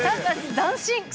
斬新。